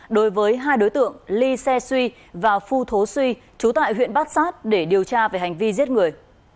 đối với hai đối tượng ly xe suy và phu thố suy chú tại huyện bát sát để điều tra về hành vi giết người